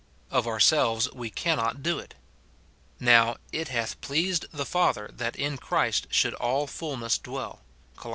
Of ourselves we cannot do it. Now, " it hath pleased the Father that in Christ should all fulness dwell," Col.